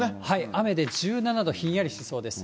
雨で１７度、ひんやりしそうです。